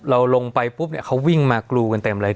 เราลงไปปุ๊บเนี่ยเขาวิ่งมากรูกันเต็มเลย